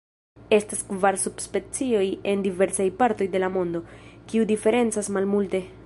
Estas kvar subspecioj en diversaj partoj de la mondo, kiu diferencas malmulte.